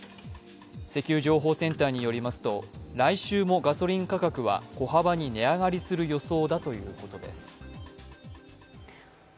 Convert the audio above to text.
石油情報センターによりますと来週もガソリン価格は小幅に値上がりする予想だということです。